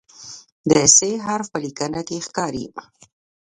د "ث" حرف په لیکنه کې ښکاري.